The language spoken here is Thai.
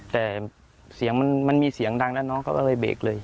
แต่มันมีเสียงดังแล้วน้องก็เลยเบรกเลย